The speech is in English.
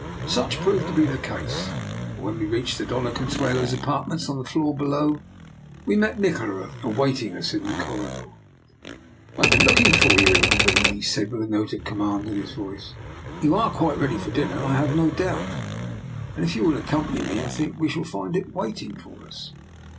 Such proved to be the case; for when we reached the Doiia Consuelo's apartments on the floor below, we met Nikola awaiting us in the corridor. " I have been looking for you, Ingleby," he said, with a note of command in his voice. " You are quite ready for dinner, I have no 1 82 DR. NIKOLA'S EXPERIMENT. doubt ; and if you will accompany me, I think we shall find it waiting for us."